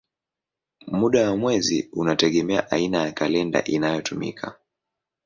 Muda wa mwezi unategemea aina ya kalenda inayotumika.